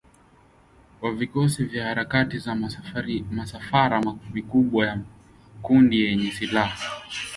wa vikosi na harakati za misafara mikubwa ya makundi yenye silaha